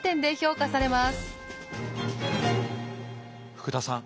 福田さん。